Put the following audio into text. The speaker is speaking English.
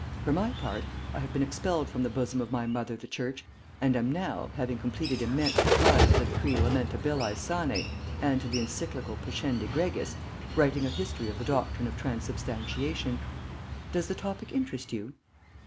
For my part, I have been expelled from the bosom of my mother the Church, and am now, having completed immense replies to the decree Lamentabili Sane and to the encyclical Pascendi Gregis, writing a History of the Doctrine of Transubstantiation. Does the topic interest you?"